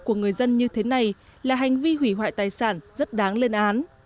của người dân như thế này là hành vi hủy hoại tài sản rất đáng lên án